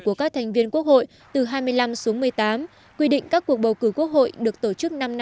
của các thành viên quốc hội từ hai mươi năm xuống một mươi tám quy định các cuộc bầu cử quốc hội được tổ chức năm năm